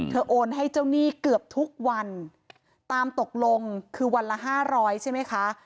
โอนให้เจ้าหนี้เกือบทุกวันตามตกลงคือวันละห้าร้อยใช่ไหมคะ